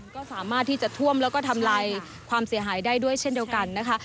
ก็สามารถที่จะท่วมแล้วก็ทำลายความเสียหายได้ด้วยเช่นเดียวกันนะคะ